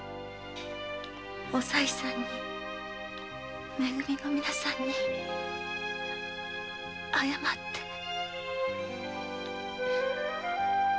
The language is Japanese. おさいさんに「め組」の皆さんに謝って。